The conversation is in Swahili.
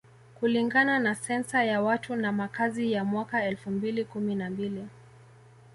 Kulingana na Sensa ya watu na makazi ya mwaka elfu mbili kumi na mbili